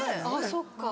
そっか。